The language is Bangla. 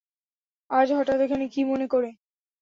আজ হঠাৎ এখানে কী মনে করে?